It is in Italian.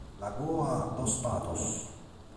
Lagoa dos Patos